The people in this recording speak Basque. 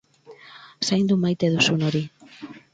Zaindu maite duzun hori.